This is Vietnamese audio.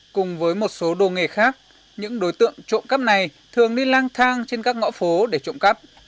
cùng với một số đồ nghề khác những đối tượng trộm cắp này thường đi lang thang trên các ngõ phố để trộm cắp